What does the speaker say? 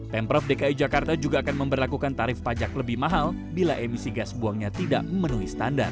pemprov dki jakarta juga akan memperlakukan tarif pajak lebih mahal bila emisi gas buangnya tidak memenuhi standar